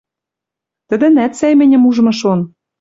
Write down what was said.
Тӹдӹнӓт сӓй мӹньӹм ужмы шон.